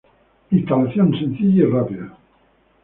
Instalación sencilla y rápida.